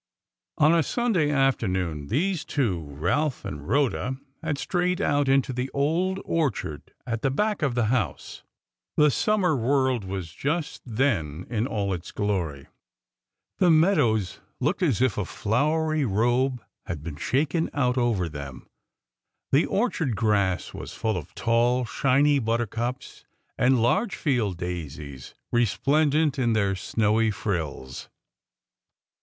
On a Sunday afternoon these two, Ralph and Rhoda, had strayed out into the old orchard at the back of the house. The summer world was just then in all its glory. The meadows looked as if a flowery robe had been shaken out over them; the orchard grass was full of tall, shiny buttercups and large field daisies, resplendent in their snowy frills.